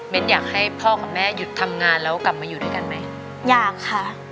เป็นอยากให้พ่อกับแม่หยุดทำงานแล้วกลับมาอยู่ด้วยกันไหมอยากค่ะ